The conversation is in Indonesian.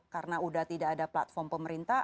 karena sudah tidak ada platform pemerintah